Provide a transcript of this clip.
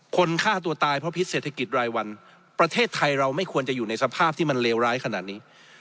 คนฆ่าตัวตายเพราะพิษเศรษฐกิจรายวันประเทศไทยเราไม่ควรจะอยู่ในสภาพที่มันเลวร้ายขนาดนี้